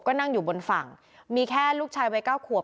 ก็นั่งอยู่บนฝั่งมีแค่ลูกชายวัยเก้าขวบ